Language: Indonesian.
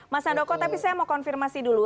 mas andoko tapi saya mau konfirmasi dulu